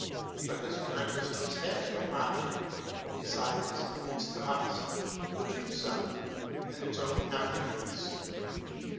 For this Consciousness has no object besides its opposite, the true Self, and its own nothingness.